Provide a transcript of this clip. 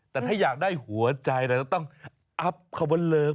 แต่ถ้าอยากได้หัวใจเราต้องอัพคำว่าเลิฟ